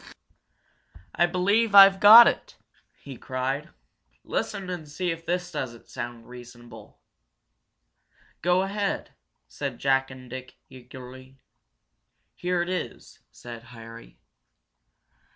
"I believe I've got it!" he cried. "Listen and see if this doesn't sound reasonable!" "Go ahead!" said Jack and Dick, eagerly. "Here it is," said Harry.